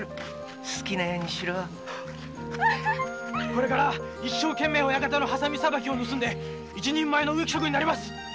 これから一生懸命親方のハサミさばきを盗んで一人前の植木職になります！